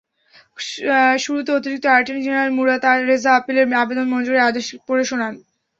শুরুতে অতিরিক্ত attorney general Murad Reza আপিলের আবেদন মঞ্জুরের আদেশ পড়ে শোনান।